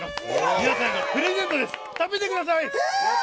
皆さんにプレゼントです、食べてください。